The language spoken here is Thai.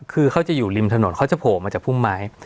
คือเขาจะอยู่ริมถนนเขาจะโผล่มาจากพุ่มไม้